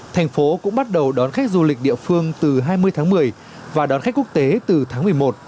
thành phố cũng bắt đầu đón khách du lịch địa phương từ hai mươi tháng một mươi và đón khách quốc tế từ tháng một mươi một